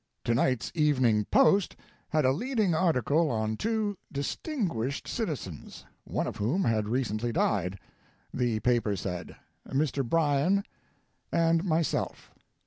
"Tonight's Evening Post had a leading article on two distinguished citizens, one of whom had recently died, the paper said Mr. Bryan and myself.